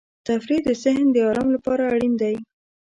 تفریح د ذهن د آرام لپاره اړین دی.